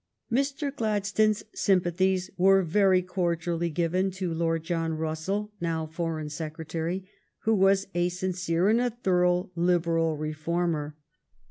Mr. Gladstone's sympathies were very cordially given to Lord John Russell, now For eign Secretary, who was a sincere and a thorough Liberal reformer.